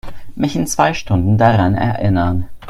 Mich in zwei Stunden daran erinnern.